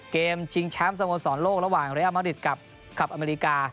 เกมชิงแชมป์สโมสรโลกระหว่างเรียมริตกับคลับอเมริกา